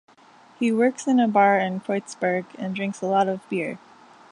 He works in a bar in Kreuzberg and drinks a lot of beer.